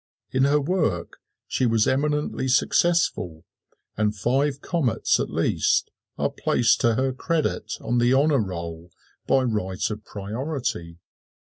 In her work she was eminently successful, and five comets at least are placed to her credit on the honor roll by right of priority.